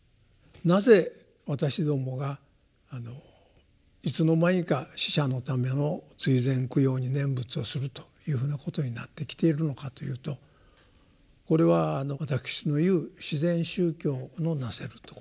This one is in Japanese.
なぜ私どもがいつの間にか死者のための追善供養に念仏をするというふうなことになってきているのかというとこれは私の言う自然宗教のなせるところですね。